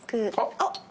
あっ！